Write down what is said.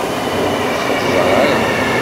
Ur t-xeẓẓer ara!